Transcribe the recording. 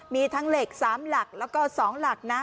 มีทั้งเหล็ก๓หลักแล้วก็๒หลักนะ